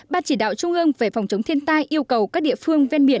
bà chỉ đạo trung ương về phòng chống thiên tai yêu cầu các địa phương